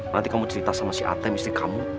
nanti kamu cerita sama si atm istri kamu